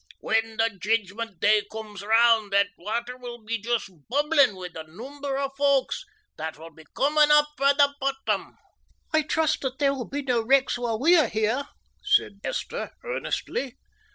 When the Jedgment Day comes round that water will be just bubbling wi' the number o' folks that will be coming up frae the bottom." "I trust that there will be no wrecks while we are here," said Esther earnestly.